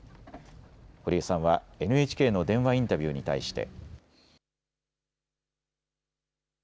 堀江さんはＮＨＫの電話インタビューに対して。